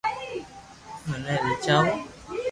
منو لآلچاوُ